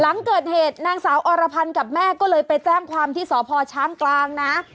หลังเกิดเหตุนางสาวอรพันธ์กับแม่ก็เลยไปแจ้งความที่สพช้างกลางนะ